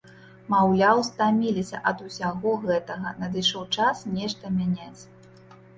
Маўляў, стаміліся ад усяго гэтага, надышоў час нешта мяняць.